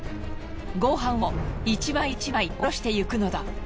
合板を１枚１枚おろしてゆくのだ。